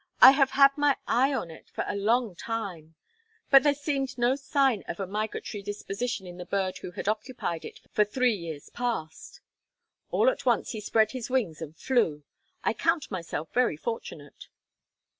I have had my eye on it for a long time, but there seemed no sign of a migratory disposition in the bird who had occupied it for three years past. All at once he spread his wings and flew. I count myself very fortunate."